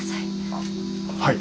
あっはい。